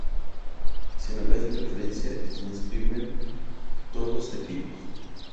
sino que hacen referencia y transcriben todos aquellos